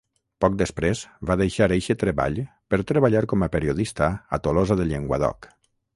Poc després, va deixar eixe treball per treballar com a periodista a Tolosa de Llenguadoc.